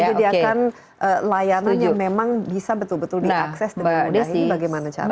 jadi akan layanan yang memang bisa betul betul diakses dan memudahin bagaimana caranya